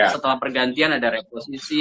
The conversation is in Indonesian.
setelah pergantian ada reposisi